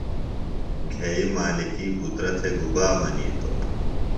گھئی مالِکہ پُترہ تھےۡ گُبا منِیتوۡ؟